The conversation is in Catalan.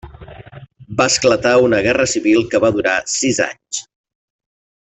Va esclatar una guerra civil que va durar sis anys.